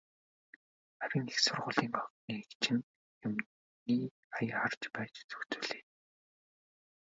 Харин их сургуулийн охиныг чинь юмны ая харж байж зохицуулъя.